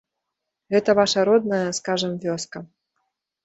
Гэта ваша родная, скажам, вёска.